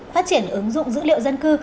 phát triển ứng dụng dữ liệu dân cư